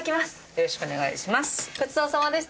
よろしくお願いします。